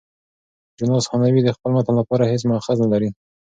جوناس هانوې د خپل متن لپاره هیڅ مأخذ نه لري.